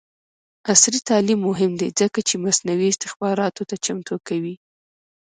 عصري تعلیم مهم دی ځکه چې مصنوعي استخباراتو ته چمتو کوي.